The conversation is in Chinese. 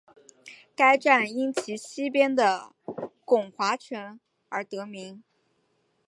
该站因其西边的巩华城而得名。